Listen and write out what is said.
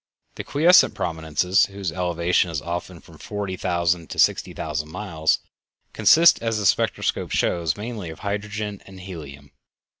The quiescent prominences, whose elevation is often from forty thousand to sixty thousand miles, consist, as the spectroscope shows, mainly of hydrogen and helium.